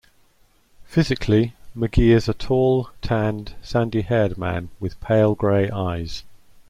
Physically, McGee is a tall, tanned, sandy-haired man with pale grey eyes.